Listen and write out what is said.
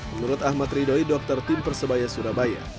menurut ahmad ridoi dokter tim persebaya surabaya